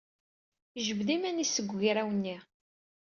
Yejbed iman-is seg ugraw-nni.